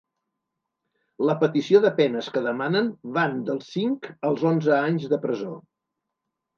La petició de penes que demanen van dels cinc als onze anys de presó.